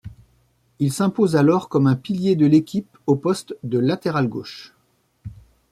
Il s'impose alors comme un pilier de l'équipe au poste de latéral gauche.